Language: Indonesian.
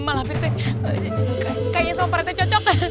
emang malam bir tuh kayaknya sama pak rete cocok